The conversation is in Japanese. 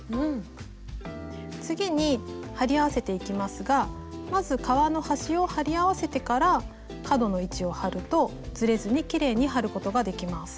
次に貼り合わせていきますがまず革の端を貼り合わせてから角の位置を貼るとずれずにきれいに貼ることができます。